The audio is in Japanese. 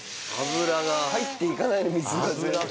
入って行かないんです。